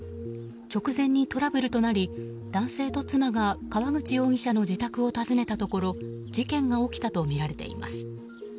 直前にトラブルとなり男性と妻が川口容疑者の自宅を訪ねたところ事件が起きたとみられています。